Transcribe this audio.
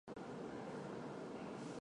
此专辑亦是他首张个人国语大碟。